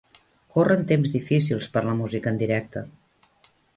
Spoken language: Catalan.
Corren temps difícils per a la música en directe.